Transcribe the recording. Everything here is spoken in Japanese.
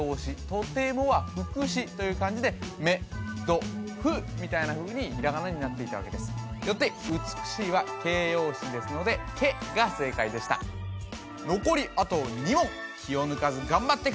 とてもは副詞という感じで「め」「ど」「ふ」みたいなふうにひらがなになっていたわけですよって美しいは形容詞ですので「け」が正解でした続いて先攻